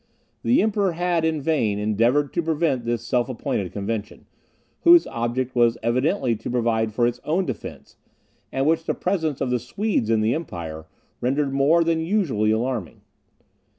The Emperor had, in vain, endeavoured to prevent this self appointed convention, whose object was evidently to provide for its own defence, and which the presence of the Swedes in the empire, rendered more than usually alarming.